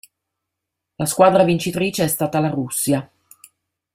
La squadra vincitrice è stata la Russia.